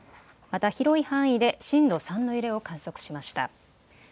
また広い範囲で震度３の揺れを観測しました。